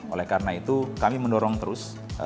oleh karena itu kami mendorong terus